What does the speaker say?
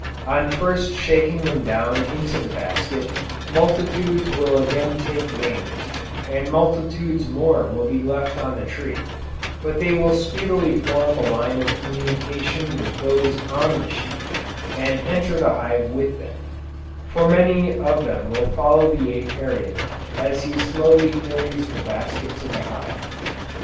On first shaking them down into the basket, multitudes will again take wing, and multitudes more will be left on the tree, but they will speedily form a line of communication with those on the sheet, and enter the hive with them; for many of them will follow the Apiarian, as he slowly carries the basket to the hive.